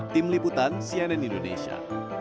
tim liputan cnn indonesia